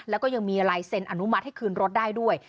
แล้วก็ยังมีลายเซ็นอนุมัติให้คืนรถได้ด้วย